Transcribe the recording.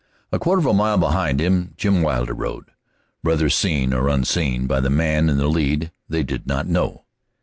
A quarter of a mile behind him Jim Wilder rode, whether seen or unseen by the man in the lead they did not know.